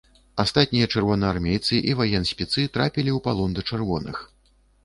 Астатнія чырвонаармейцы і ваенспецы трапілі ў палон да чырвоных.